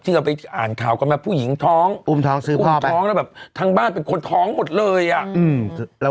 เขาเอาเด็กไปทำอะไรวะ